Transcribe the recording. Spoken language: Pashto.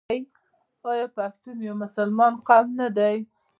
آیا پښتون یو مسلمان قوم نه دی؟